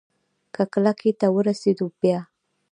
که کلکې ته ورسېدو بيا؟